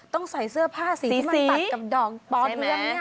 ต้องใส่เสื้อผ้าสีที่มันตัดกับดองปอเทืองเนี่ย